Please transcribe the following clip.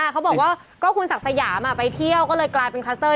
เขาบอกว่าก็คุณศักดิ์สยามไปเที่ยวก็เลยกลายเป็นคลัสเตอร์